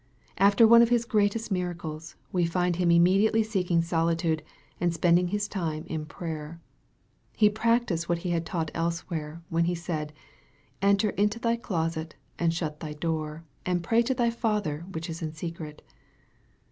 After one of His greatest miracles, we find Him immediately seeking solitude, and spending His time in prayer. He practised what He had taught elsewhere, when He said, " enter into thy closet, and shut thy door, and pray to thy Father which is in secret."